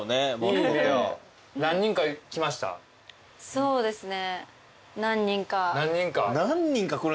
そうですね。